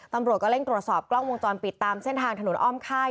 ตำรวจก็เร่งตรวจสอบกล้องวงจรปิดตามเส้นทางถนนอ้อมค่าย